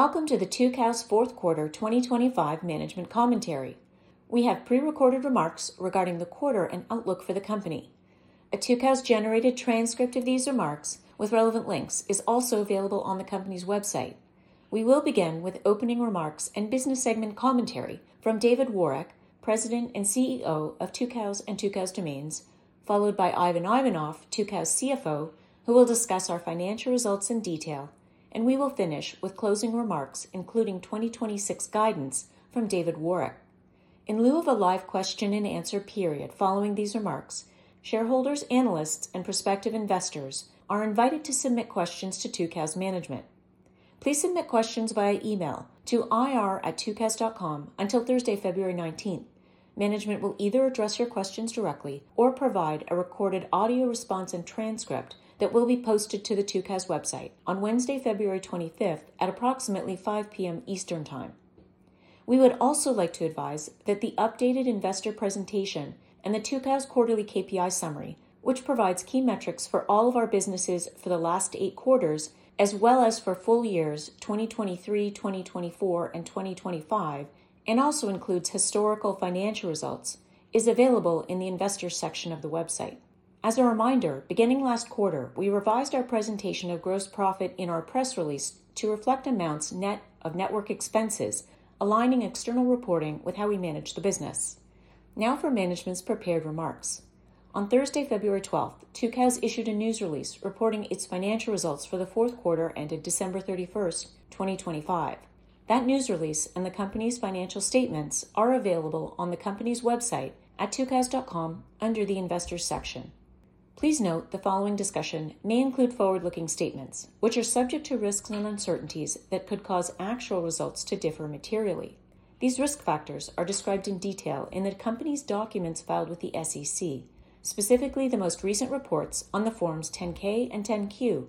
Welcome to the Tucows' Fourth Quarter 2025 Management Commentary. We have pre-recorded remarks regarding the quarter and outlook for the company. A Tucows-generated transcript of these remarks, with relevant links, is also available on the company's website. We will begin with opening remarks and business segment commentary from David Woroch, President and CEO of Tucows and Tucows Domains, followed by Ivan Ivanov, Tucows' CFO, who will discuss our financial results in detail, and we will finish with closing remarks, including 2026 guidance from David Woroch. In lieu of a live question and answer period following these remarks, shareholders, analysts, and prospective investors are invited to submit questions to Tucows Management. Please submit questions via email to ir@tucows.com until Thursday, February 19th. Management will either address your questions directly or provide a recorded audio response and transcript that will be posted to the Tucows website on Wednesday, February 25 at approximately 5 P.M. Eastern Time. We would also like to advise that the updated investor presentation and the Tucows quarterly KPI summary, which provides key metrics for all of our businesses for the last eight quarters, as well as for full years 2023, 2024, and 2025, and also includes historical financial results, is available in the Investors section of the website. As a reminder, beginning last quarter, we revised our presentation of gross profit in our press release to reflect amounts net of network expenses, aligning external reporting with how we manage the business. Now for management's prepared remarks. On Thursday, February twelfth, Tucows issued a news release reporting its financial results for the fourth quarter, ended December 31st, 2025. That news release and the company's financial statements are available on the company's website at tucows.com under the Investors section. Please note, the following discussion may include forward-looking statements, which are subject to risks and uncertainties that could cause actual results to differ materially. These risk factors are described in detail in the company's documents filed with the SEC, specifically the most recent reports on the Forms 10-K and 10-Q.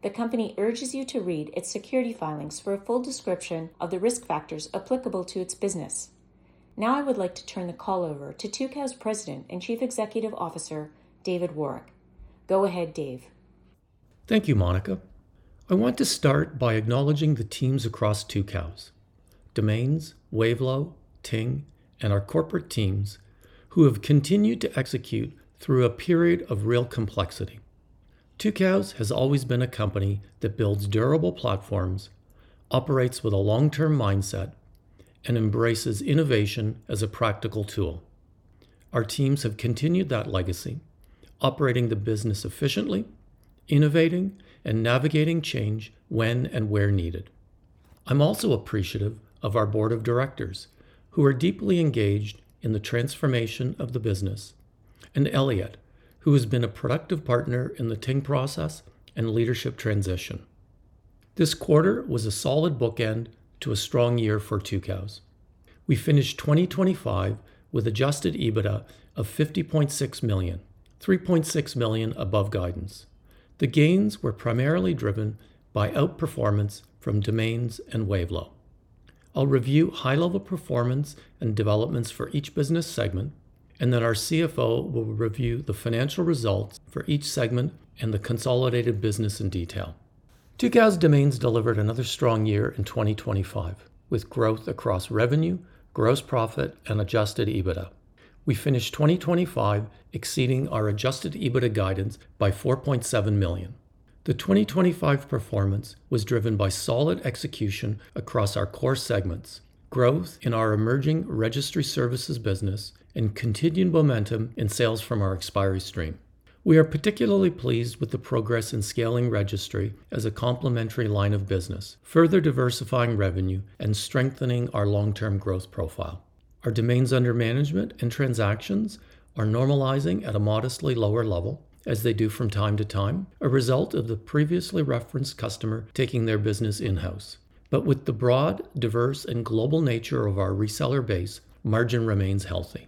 The company urges you to read its securities filings for a full description of the risk factors applicable to its business. Now I would like to turn the call over to Tucows' President and Chief Executive Officer, David Woroch. Go ahead, Dave. Thank you, Monica. I want to start by acknowledging the teams across Tucows: Domains, Wavelo, Ting, and our corporate teams who have continued to execute through a period of real complexity. Tucows has always been a company that builds durable platforms, operates with a long-term mindset, and embraces innovation as a practical tool. Our teams have continued that legacy, operating the business efficiently, innovating, and navigating change when and where needed. I'm also appreciative of our board of directors, who are deeply engaged in the transformation of the business, and Elliot, who has been a productive partner in the Ting process and leadership transition. This quarter was a solid bookend to a strong year for Tucows. We finished 2025 with adjusted EBITDA of $50.6 million, $3.6 million above guidance. The gains were primarily driven by outperformance from Domains and Wavelo. I'll review high-level performance and developments for each business segment, and then our CFO will review the financial results for each segment and the consolidated business in detail. Tucows Domains delivered another strong year in 2025, with growth across revenue, gross profit, and adjusted EBITDA. We finished 2025 exceeding our adjusted EBITDA guidance by $4.7 million. The 2025 performance was driven by solid execution across our core segments, growth in our emerging registry services business, and continued momentum in sales from our expiry stream. We are particularly pleased with the progress in scaling registry as a complementary line of business, further diversifying revenue and strengthening our long-term growth profile. Our domains under management and transactions are normalizing at a modestly lower level, as they do from time to time, a result of the previously referenced customer taking their business in-house. But with the broad, diverse, and global nature of our reseller base, margin remains healthy.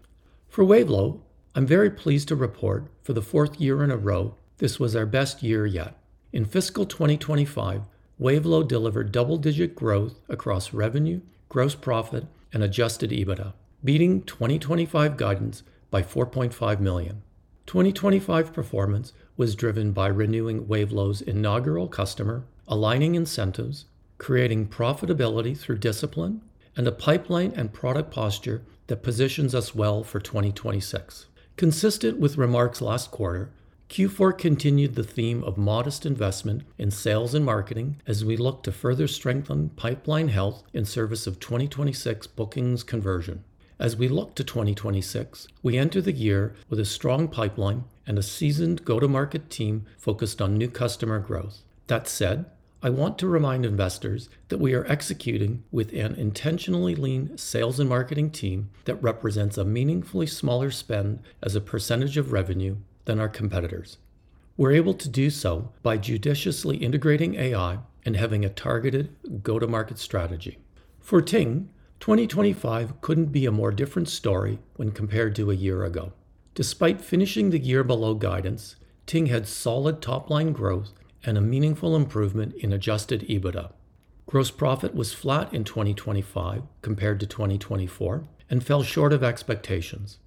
For Wavelo, I'm very pleased to report, for the fourth year in a row, this was our best year yet. In fiscal 2025, Wavelo delivered double-digit growth across revenue, gross profit, and adjusted EBITDA, beating 2025 guidance by $4.5 million. 2025 performance was driven by renewing Wavelo's inaugural customer, aligning incentives, creating profitability through discipline, and a pipeline and product posture that positions us well for 2026. Consistent with remarks last quarter, Q4 continued the theme of modest investment in sales and marketing as we look to further strengthen pipeline health in service of 2026 bookings conversion. As we look to 2026, we enter the year with a strong pipeline and a seasoned go-to-market team focused on new customer growth. That said, I want to remind investors that we are executing with an intentionally lean sales and marketing team that represents a meaningfully smaller spend as a percentage of revenue than our competitors. We're able to do so by judiciously integrating AI and having a targeted go-to-market strategy. For Ting, 2025 couldn't be a more different story when compared to a year ago. Despite finishing the year below guidance, Ting had solid top-line growth and a meaningful improvement in adjusted EBITDA. Gross profit was flat in 2025 compared to 2024 and fell short of expectations.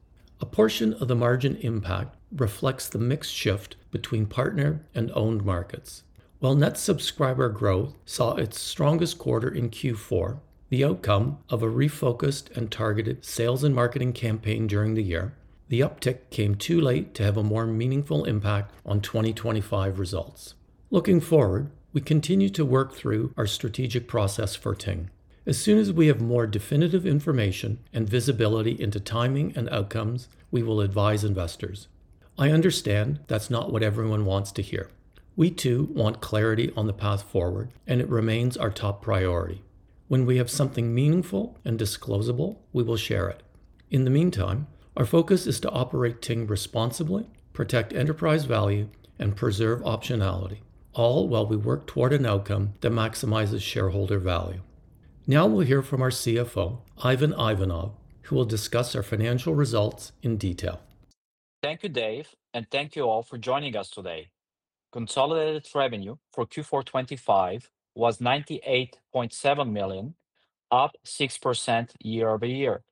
A portion of the margin impact reflects the mixed shift between partner and owned markets. While net subscriber growth saw its strongest quarter in Q4, the outcome of a refocused and targeted sales and marketing campaign during the year, the uptick came too late to have a more meaningful impact on 2025 results. Looking forward, we continue to work through our strategic process for Ting. As soon as we have more definitive information and visibility into timing and outcomes, we will advise investors. I understand that's not what everyone wants to hear. We, too, want clarity on the path forward, and it remains our top priority. When we have something meaningful and disclosable, we will share it. In the meantime, our focus is to operate Ting responsibly, protect enterprise value, and preserve optionality, all while we work toward an outcome that maximizes shareholder value. Now, we'll hear from our CFO, Ivan Ivanov, who will discuss our financial results in detail. Thank you, Dave, and thank you all for joining us today. Consolidated revenue for Q4 2025 was $98.7 million, up 6% year-over-year.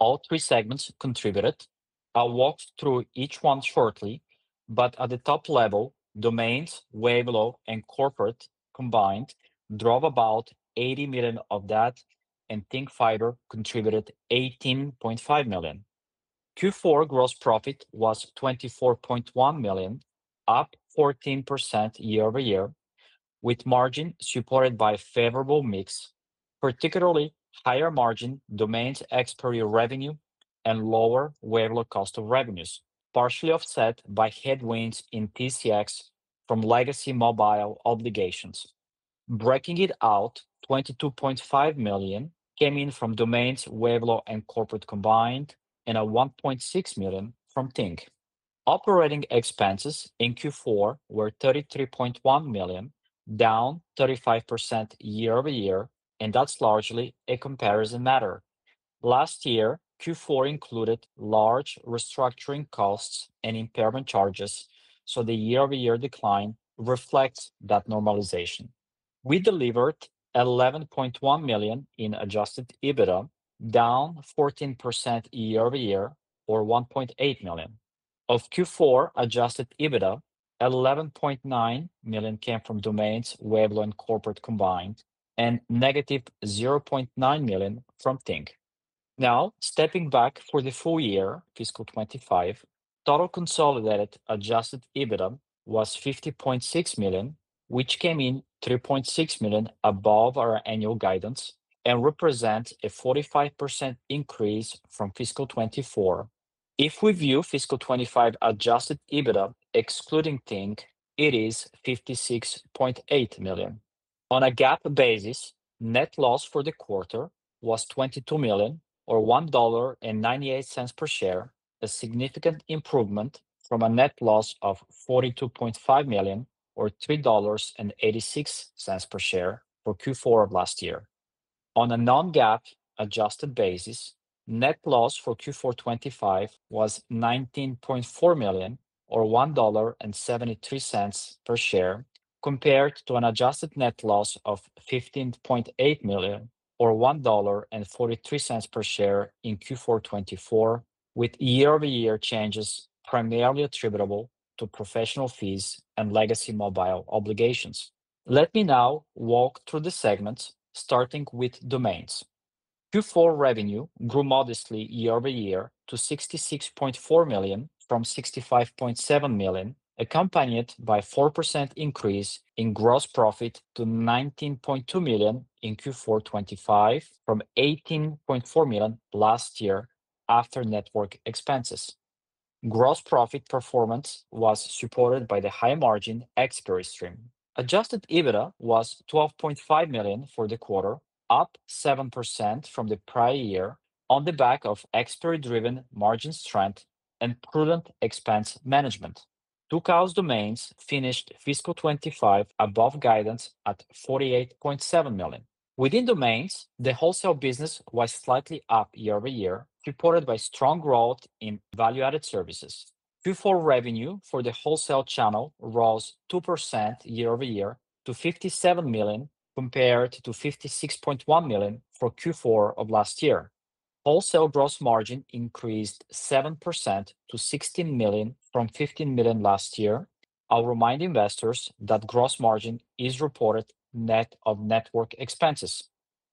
All three segments contributed. I'll walk through each one shortly, but at the top level, Domains, Wavelo, and Corporate combined drove about $80 million of that, and Ting Fiber contributed $18.5 million. Q4 gross profit was $24.1 million, up 14% year-over-year, with margin supported by a favorable mix, particularly higher-margin domains, expiry revenue, and lower Wavelo cost of revenues, partially offset by headwinds in TCX from legacy mobile obligations. Breaking it out, $22.5 million came in from Domains, Wavelo, and Corporate combined, and a $1.6 million from Ting. Operating expenses in Q4 were $33.1 million, down 35% year-over-year, and that's largely a comparison matter. Last year, Q4 included large restructuring costs and impairment charges, so the year-over-year decline reflects that normalization. We delivered $11.1 million in adjusted EBITDA, down 14% year-over-year, or $1.8 million. Of Q4 adjusted EBITDA, $11.9 million came from Domains, Wavelo, and Corporate combined, and -$0.9 million from Ting. Now, stepping back for the full year, fiscal 2025, total consolidated adjusted EBITDA was $50.6 million, which came in $3.6 million above our annual guidance and represents a 45% increase from fiscal 2024. If we view fiscal 2025 adjusted EBITDA excluding Ting, it is $56.8 million. On a GAAP basis, net loss for the quarter was $22 million, or $1.98 per share, a significant improvement from a net loss of $42.5 million, or $3.86 per share for Q4 of last year. On a non-GAAP adjusted basis, net loss for Q4 2025 was $19.4 million, or $1.73 per share, compared to an adjusted net loss of $15.8 million, or $1.43 per share in Q4 2024, with year-over-year changes primarily attributable to professional fees and legacy mobile obligations. Let me now walk through the segments, starting with Domains. Q4 revenue grew modestly year-over-year to $66.4 million from $65.7 million, accompanied by 4% increase in gross profit to $19.2 million in Q4 2025 from $18.4 million last year after network expenses. Gross profit performance was supported by the high-margin expiry stream. Adjusted EBITDA was $12.5 million for the quarter, up 7% from the prior year on the back of expiry-driven margin strength and prudent expense management. Tucows Domains finished fiscal 2025 above guidance at $48.7 million. Within Domains, the wholesale business was slightly up year-over-year, supported by strong growth in value-added services. Q4 revenue for the wholesale channel rose 2% year-over-year to $57 million, compared to $56.1 million for Q4 of last year. Wholesale gross margin increased 7% to $16 million from $15 million last year. I'll remind investors that gross margin is reported net of network expenses.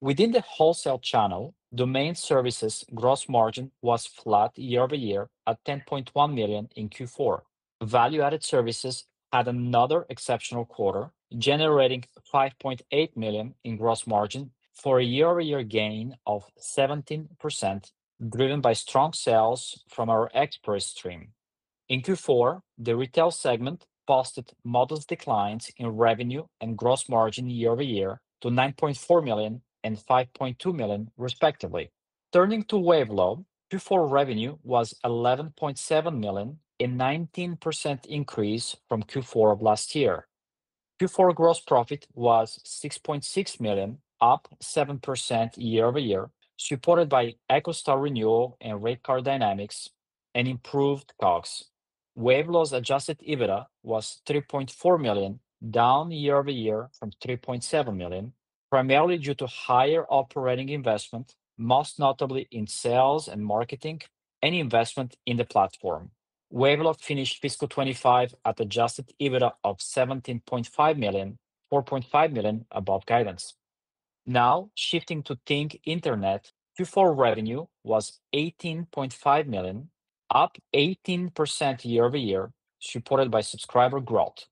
Within the wholesale channel, Domain Services' gross margin was flat year-over-year at $10.1 million in Q4. Value-added services had another exceptional quarter, generating $5.8 million in gross margin for a year-over-year gain of 17%, driven by strong sales from our expiry stream. In Q4, the retail segment posted modest declines in revenue and gross margin year-over-year to $9.4 million and $5.2 million, respectively. Turning to Wavelo, Q4 revenue was $11.7 million, a 19% increase from Q4 of last year. Q4 gross profit was $6.6 million, up 7% year-over-year, supported by EchoStar renewal and rate card dynamics and improved costs. Wavelo's adjusted EBITDA was $3.4 million, down year-over-year from $3.7 million, primarily due to higher operating investment, most notably in sales and marketing and investment in the platform. Wavelo finished fiscal 2025 at adjusted EBITDA of $17.5 million, $4.5 million above guidance. Now, shifting to Ting Internet, Q4 revenue was $18.5 million, up 18% year-over-year, supported by subscriber growth.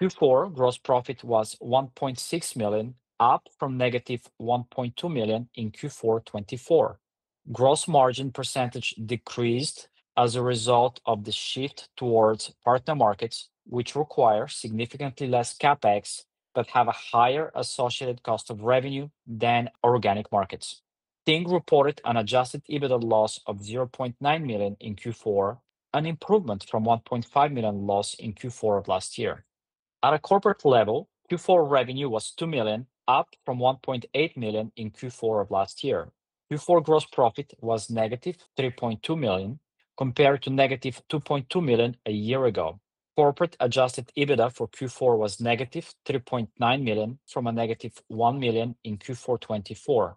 Q4 gross profit was $1.6 million, up from -$1.2 million in Q4 2024. Gross margin percentage decreased as a result of the shift towards partner markets, which require significantly less CapEx, but have a higher associated cost of revenue than organic markets. Ting reported an adjusted EBITDA loss of $0.9 million in Q4, an improvement from $1.5 million loss in Q4 of last year. At a corporate level, Q4 revenue was $2 million, up from $1.8 million in Q4 of last year. Q4 gross profit was -$3.2 million, compared to -$2.2 million a year ago. Corporate adjusted EBITDA for Q4 was -$3.9 million, from a -$1 million in Q4 2024.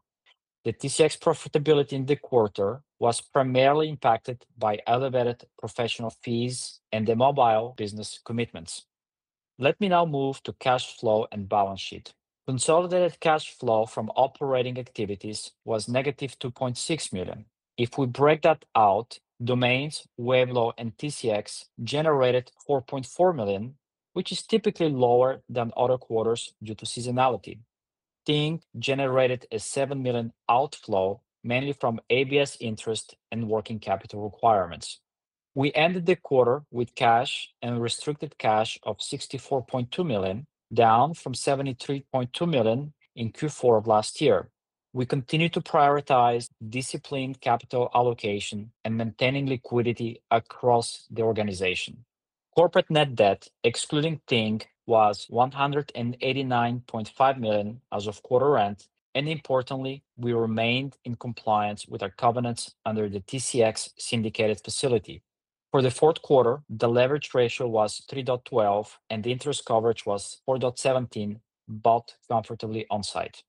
The TCX profitability in the quarter was primarily impacted by elevated professional fees and the mobile business commitments. Let me now move to cash flow and balance sheet. Consolidated cash flow from operating activities was -$2.6 million. If we break that out, Domains, Wavelo, and TCX generated $4.4 million, which is typically lower than other quarters due to seasonality. Ting generated a $7 million outflow, mainly from ABS interest and working capital requirements. We ended the quarter with cash and restricted cash of $64.2 million, down from $73.2 million in Q4 of last year. We continue to prioritize disciplined capital allocation and maintaining liquidity across the organization. Corporate net debt, excluding Ting, was $189.5 million as of quarter end, and importantly, we remained in compliance with our covenants under the TCX syndicated facility. For the fourth quarter, the leverage ratio was 3.12, and the interest coverage was 4.17, both comfortably onside.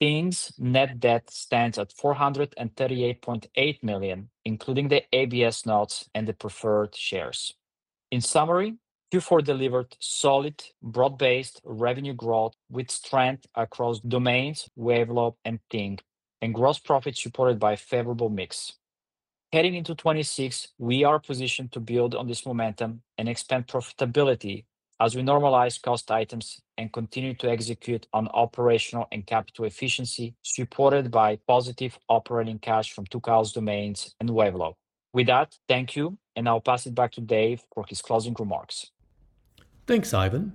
Ting's net debt stands at $438.8 million, including the ABS notes and the preferred shares. In summary, Q4 delivered solid, broad-based revenue growth with strength across Domains, Wavelo, and Ting, and gross profit supported by favorable mix. Heading into 2026, we are positioned to build on this momentum and expand profitability as we normalize cost items and continue to execute on operational and capital efficiency, supported by positive operating cash from Tucows Domains and Wavelo. With that, thank you, and I'll pass it back to Dave for his closing remarks. Thanks, Ivan.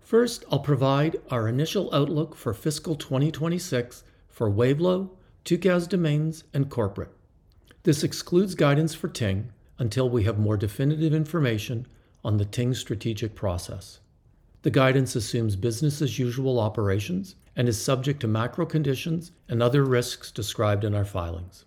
First, I'll provide our initial outlook for fiscal 2026 for Wavelo, Tucows Domains, and Corporate. This excludes guidance for Ting until we have more definitive information on the Ting strategic process. The guidance assumes business-as-usual operations and is subject to macro conditions and other risks described in our filings.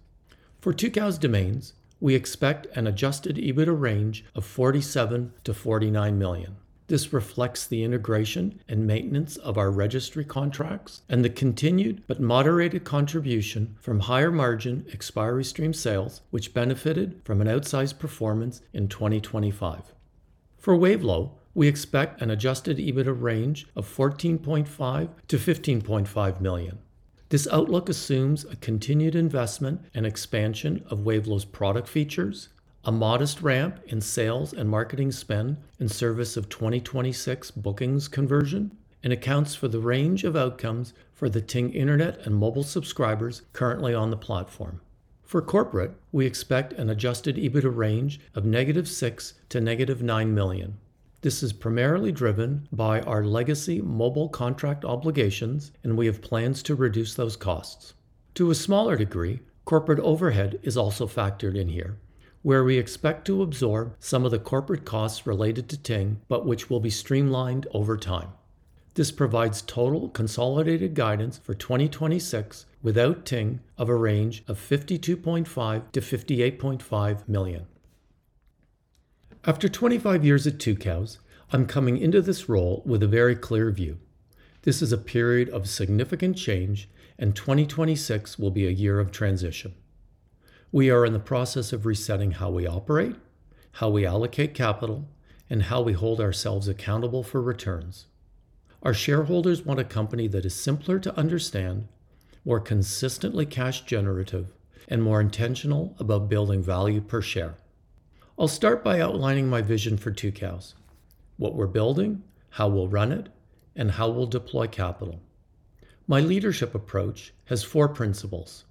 For Tucows Domains, we expect an adjusted EBITDA range of $47 million-$49 million. This reflects the integration and maintenance of our registry contracts and the continued but moderated contribution from higher-margin expiry stream sales, which benefited from an outsized performance in 2025. For Wavelo, we expect an adjusted EBITDA range of $14.5 million-$15.5 million. This outlook assumes a continued investment and expansion of Wavelo's product features, a modest ramp in sales and marketing spend in service of 2026 bookings conversion, and accounts for the range of outcomes for the Ting Internet and mobile subscribers currently on the platform. For Corporate, we expect an adjusted EBITDA range of -$6 million-$9 million. This is primarily driven by our legacy mobile contract obligations, and we have plans to reduce those costs. To a smaller degree, corporate overhead is also factored in here, where we expect to absorb some of the corporate costs related to Ting, but which will be streamlined over time. This provides total consolidated guidance for 2026 without Ting of a range of $52.5 million-$58.5 million. After 25 years at Tucows, I'm coming into this role with a very clear view. This is a period of significant change, and 2026 will be a year of transition. We are in the process of resetting how we operate, how we allocate capital, and how we hold ourselves accountable for returns. Our shareholders want a company that is simpler to understand, more consistently cash generative, and more intentional about building value per share. I'll start by outlining my vision for Tucows, what we're building, how we'll run it, and how we'll deploy capital. My leadership approach has four principles.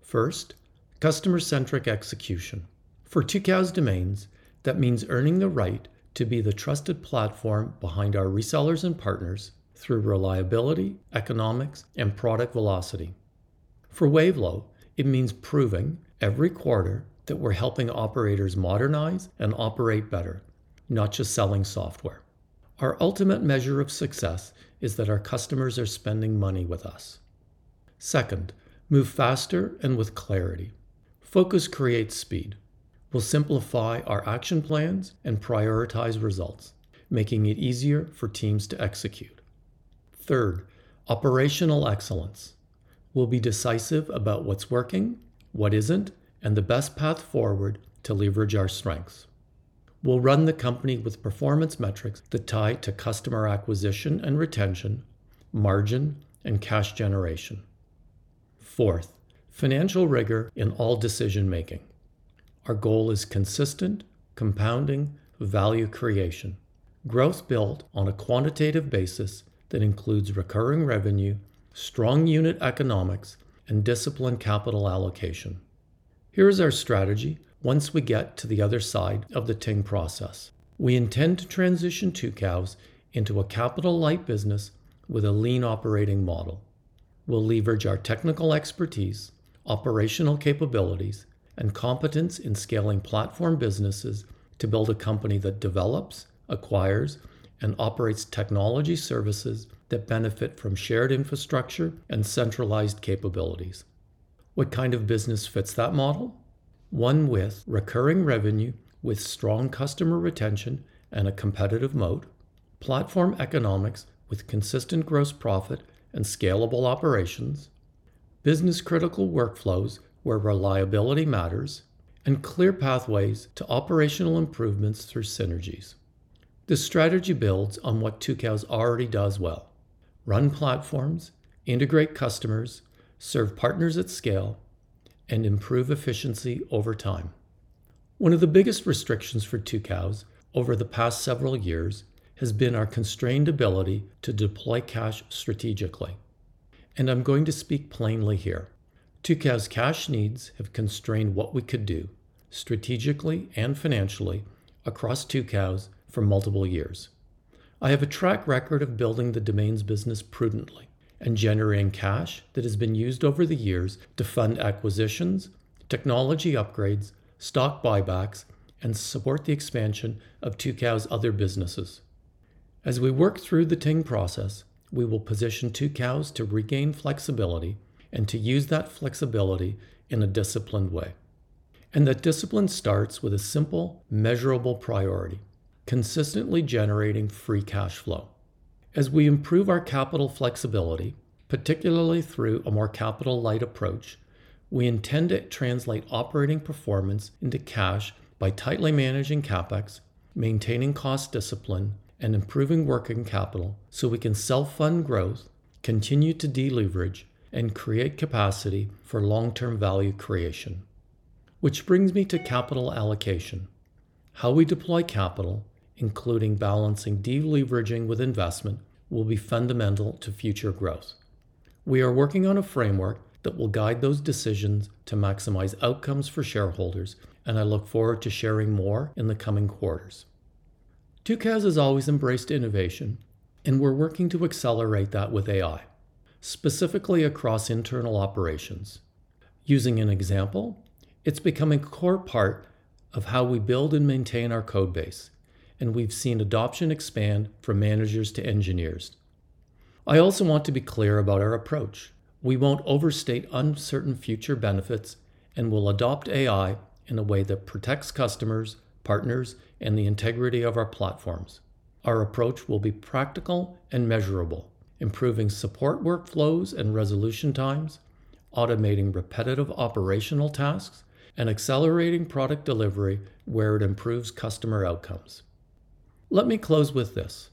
First, customer-centric execution. For Tucows Domains, that means earning the right to be the trusted platform behind our resellers and partners through reliability, economics, and product velocity. For Wavelo, it means proving every quarter that we're helping operators modernize and operate better, not just selling software. Our ultimate measure of success is that our customers are spending money with us. Second, move faster and with clarity. Focus creates speed. We'll simplify our action plans and prioritize results, making it easier for teams to execute. Third, operational excellence. We'll be decisive about what's working, what isn't, and the best path forward to leverage our strengths. We'll run the company with performance metrics that tie to customer acquisition and retention, margin, and cash generation. Fourth, financial rigor in all decision-making. Our goal is consistent, compounding value creation. Growth built on a quantitative basis that includes recurring revenue, strong unit economics, and disciplined capital allocation. Here is our strategy once we get to the other side of the Ting process. We intend to transition Tucows into a capital-light business with a lean operating model. We'll leverage our technical expertise, operational capabilities, and competence in scaling platform businesses to build a company that develops, acquires, and operates technology services that benefit from shared infrastructure and centralized capabilities. What kind of business fits that model? One with recurring revenue, with strong customer retention and a competitive moat, platform economics with consistent gross profit and scalable operations, business-critical workflows where reliability matters, and clear pathways to operational improvements through synergies. This strategy builds on what Tucows already does well: run platforms, integrate customers, serve partners at scale, and improve efficiency over time. One of the biggest restrictions for Tucows over the past several years has been our constrained ability to deploy cash strategically. I'm going to speak plainly here. Tucows' cash needs have constrained what we could do strategically and financially across Tucows for multiple years. I have a track record of building the domains business prudently and generating cash that has been used over the years to fund acquisitions, technology upgrades, stock buybacks, and support the expansion of Tucows' other businesses. As we work through the Ting process, we will position Tucows to regain flexibility and to use that flexibility in a disciplined way. That discipline starts with a simple, measurable priority: consistently generating free cash flow. As we improve our capital flexibility, particularly through a more capital-light approach, we intend to translate operating performance into cash by tightly managing CapEx, maintaining cost discipline, and improving working capital, so we can self-fund growth, continue to deleverage, and create capacity for long-term value creation. Which brings me to capital allocation. How we deploy capital, including balancing deleveraging with investment, will be fundamental to future growth. We are working on a framework that will guide those decisions to maximize outcomes for shareholders, and I look forward to sharing more in the coming quarters. Tucows has always embraced innovation, and we're working to accelerate that with AI, specifically across internal operations. Using an example, it's becoming a core part of how we build and maintain our code base, and we've seen adoption expand from managers to engineers. I also want to be clear about our approach. We won't overstate uncertain future benefits and will adopt AI in a way that protects customers, partners, and the integrity of our platforms. Our approach will be practical and measurable, improving support workflows and resolution times, automating repetitive operational tasks, and accelerating product delivery where it improves customer outcomes. Let me close with this.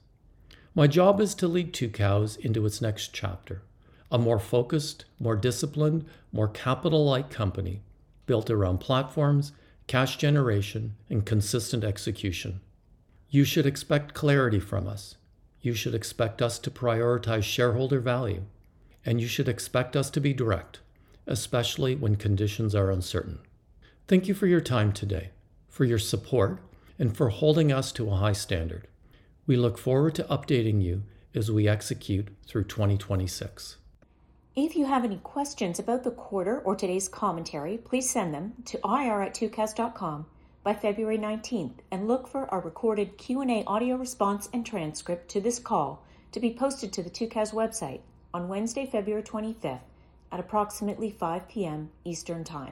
My job is to lead Tucows into its next chapter, a more focused, more disciplined, more capital-light company built around platforms, cash generation, and consistent execution. You should expect clarity from us. You should expect us to prioritize shareholder value, and you should expect us to be direct, especially when conditions are uncertain. Thank you for your time today, for your support, and for holding us to a high standard. We look forward to updating you as we execute through 2026. If you have any questions about the quarter or today's commentary, please send them to ir@tucows.com by February 19, and look for our recorded Q&A audio response and transcript to this call to be posted to the Tucows website on Wednesday, February 25, at approximately 5 P.M. Eastern Time.